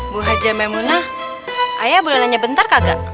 bu hajar maimunah ayo boleh nanya bentar kagak